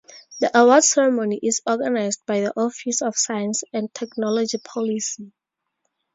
The awards ceremony is organized by the Office of Science and Technology Policy.